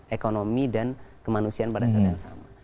ekonomi dan kemanusiaan pada saat yang sama